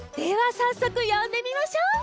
さっそくよんでみましょう。